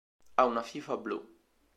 Ha una fifa blu.